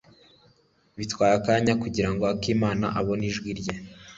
Byatwaye akanya kugirango akimana abone ijwi rye